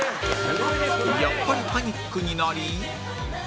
やっぱりパニックになり